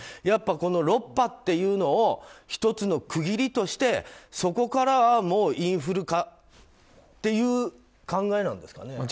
やっぱり６波というのを１つの区切りとしてそこからはもうインフル化という考えなんですかね。